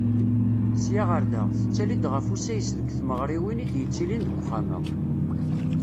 Sya ɣer da, tettali-d ɣef usayes deg tmeɣriwin i d-yettilin deg Uxxam-a.